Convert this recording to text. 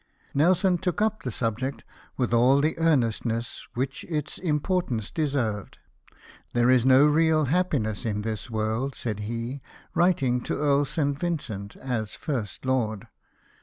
Nelson took up the subject with all the earnestness which its importance deserved. " There is no real happiness in this world," said he, writing to Earl St. Vincent, as First Lord.